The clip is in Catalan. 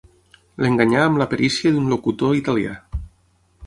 L'enganyà amb la perícia d'un locutor italià.